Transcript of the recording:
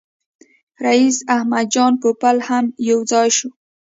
رییس احمد جان پوپل هم یو ځای شو.